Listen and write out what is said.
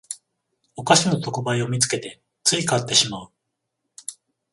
お菓子の特売を見つけてつい買ってしまう